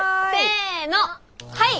はい。